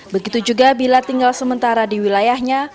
begitu juga bila tinggal sementara di wilayahnya